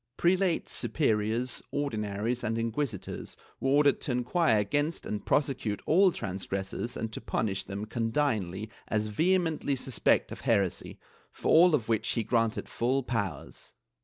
Prelates, superiors. Ordinaries and inquisitors were ordered to inquire against and prosecute all transgressors and to pmiish them condignly as vehemently suspect of heresy, for all of which he granted full powers.'